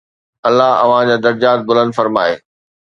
الله اوهان جا درجات بلند فرمائي